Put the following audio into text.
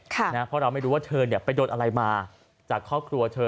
เพราะเราไม่รู้ว่าเธอไปโดนอะไรมาจากครอบครัวเธอ